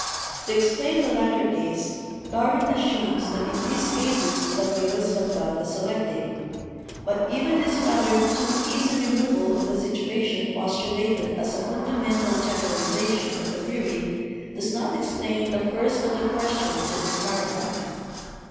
To explain the latter case Darwin assumes that in these cases the males have done the selecting, but even this rather too easy removal of the situation postulated as a fundamental generalization of the theory does not explain the first of SEXUAL SELECTION 221 the questions in this paragraph.